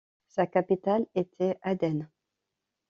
Sa capitale était Aden.